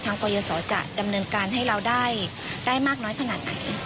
กรยศจะดำเนินการให้เราได้มากน้อยขนาดไหน